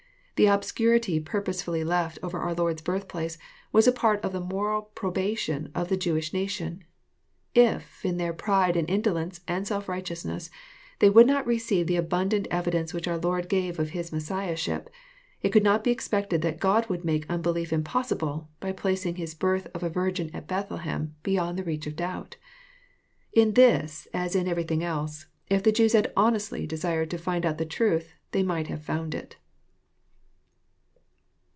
The obscurity purposely left over our Lord's birthplace was a part of the moral probation of the Jewish nation. If, in their pride and indolence and self righteousness, they would not receive the abundant evidence which our Lord gave of His Messiah ship, it could not be expected that God would make unbelief impossible, by placing His birth of a virgin at Bethlehem be yond the reach of doubt. In this, as in everything else, if the \ Jews had honestly desired to find out the truth, they might have found it.